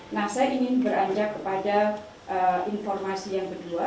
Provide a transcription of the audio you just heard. nah saya ingin beranjak kepada informasi yang kedua